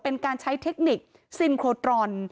เป็นการใช้เทคนิคซินโครตรอน